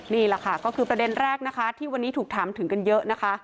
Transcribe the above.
นี่แหละค่ะก็คือประเด็นแรกนะคะที่วันนี้ถูกถามถึงกันเยอะนะคะ